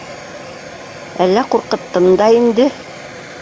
— Әллә ҡурҡыттым да инде?